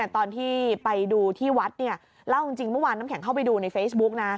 ตอนที่ไปดูที่วัดเล่าจริงเมื่อวานน้ำแข็งเข้าไปดูในเฟซบุ๊กนะ